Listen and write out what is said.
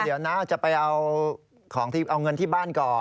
เดี๋ยวน้าจะไปเอาเงินที่บ้านก่อน